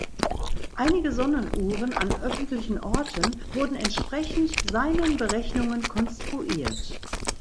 Einige Sonnenuhren an öffentlichen Orten wurden entsprechend seinen Berechnungen konstruiert.